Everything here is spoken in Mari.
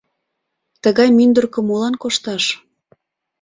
— Тыгай мӱндыркӧ молан кошташ.